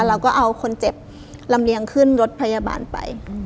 เราก็เอาคนเจ็บลำเลียงขึ้นรถพยาบาลไป